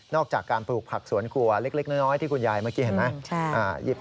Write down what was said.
อกจากการปลูกผักสวนครัวเล็กน้อยที่คุณยายเมื่อกี้เห็นไหม